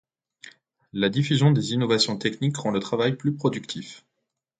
La diffusion des innovations techniques rend le travail plus productif.